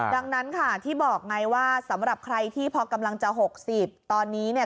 ดังนั้นค่ะที่บอกไงว่าสำหรับใครที่พอกำลังจะ๖๐ตอนนี้เนี่ย